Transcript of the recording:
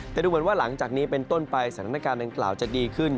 แต่ดูเหมือนว่าหลังจากนี้เป็นต้นไปสถานการณ์ดังกล่าวจะดีขึ้น